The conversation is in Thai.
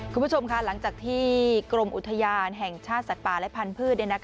คุณผู้ชมค่ะหลังจากที่กรมอุทยานแห่งชาติสัตว์ป่าและพันธุ์